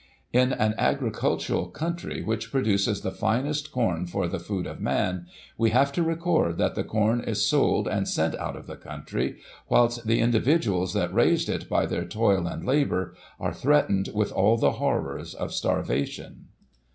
In an agricultural country which produces the finest com for the food of man, we have to record that the corn is sold and sent out of the country, whilst the individuals that raised it by their toil and labour, are threatened with all the horrors of starvation.